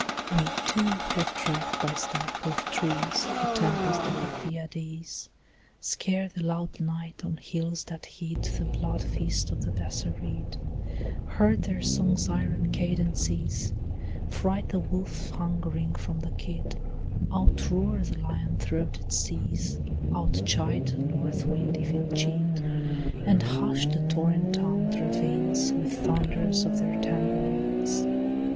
We too have tracked by star proof trees The tempest of the Thyiades Scare the loud night on hills that hid The blood feasts of the Bassarid, Heard their song's iron cadences Fright the wolf hungering from the kid, Outroar the lion throated seas, Outchide the north wind if it chid, And hush the torrent tongued ravines With thunders of their tambourines.